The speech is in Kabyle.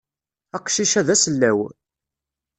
Aqcic-a d asellaw.